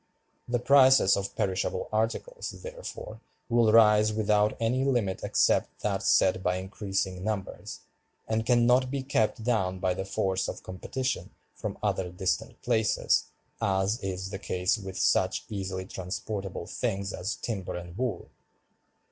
The prices of perishable articles, therefore, will rise without any limit except that set by increasing numbers, and can not be kept down by the force of competition from other distant places, as is the case with such easily transportable things as timber and wool.